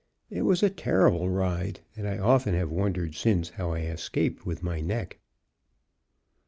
It was a terrible ride, and I often have wondered since how I escaped with my neck.